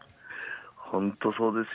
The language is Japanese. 本当、そうですよ。